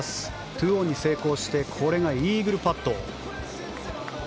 ２オンに成功してこれがイーグルパット。